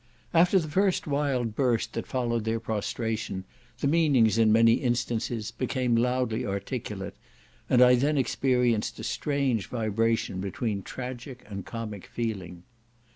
After the first wild burst that followed their prostration, the meanings, in many instances, became loudly articulate; and I then experienced a strange vibration between tragic and comic feeling.